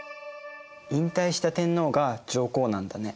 引退した天皇が上皇なんだね。